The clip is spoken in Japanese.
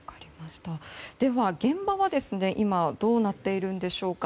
では、現場は今どうなっているんでしょうか。